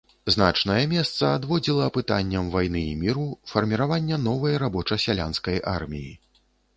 Значнае месца адводзіла пытанням вайны і міру, фарміравання новай рабоча-сялянскай арміі.